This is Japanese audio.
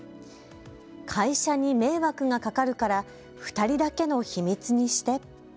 会社に迷惑がかかるから２人だけの秘密にして。